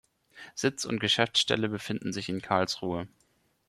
Sitz und Geschäftsstelle befinden sich in Karlsruhe.